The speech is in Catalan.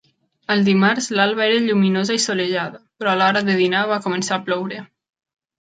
El dimarts l'alba era lluminosa i solejada, però a l'hora de dinar va començar a ploure